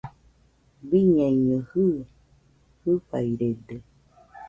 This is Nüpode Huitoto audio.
Biñaino jɨɨ, fɨfairede